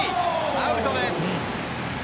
アウトです。